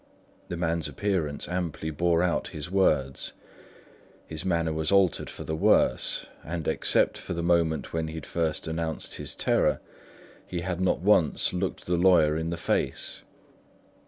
The man's appearance amply bore out his words; his manner was altered for the worse; and except for the moment when he had first announced his terror, he had not once looked the lawyer in the face.